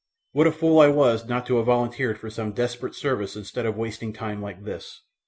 What a fool I was not to have volunteered for some desperate service instead of wasting time like this!